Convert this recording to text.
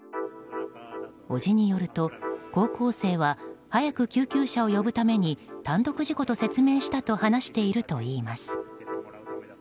叔父によると、高校生は早く救急車を呼ぶために単独事故と説明したと話しているといいます。